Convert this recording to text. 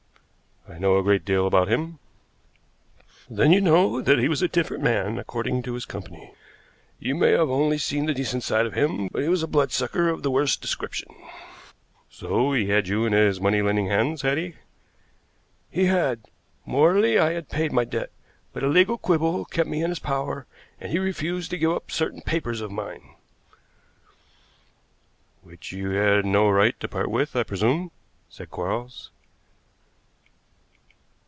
"I know a great deal about him." "Then you know that he was a different man, according to his company. You may only have seen the decent side of him, but he was a blood sucker of the worst description." "So he had you in his money lending hands, had he?" "He had. Morally, I had paid my debt, but a legal quibble kept me in his power, and he refused to give up certain papers of mine." "Which you had no right to part with, I presume," said Quarles.